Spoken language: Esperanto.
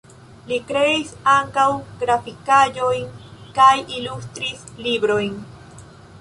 Li kreis ankaŭ grafikaĵojn kaj ilustris librojn.